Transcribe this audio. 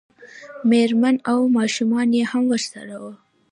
مېرمنه او ماشومان یې هم ورسره وو.